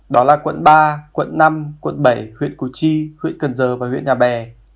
đó là quận ba quận năm quận bảy huyện củ chi huyện cần giờ và huyện nhà bè